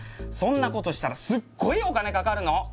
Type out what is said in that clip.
そんなことしたらすっごいお金かかるの！